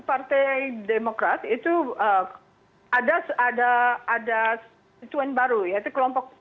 partai demokrat itu ada situan baru yaitu kelompok